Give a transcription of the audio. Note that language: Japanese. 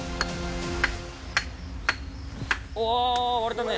おわれたね！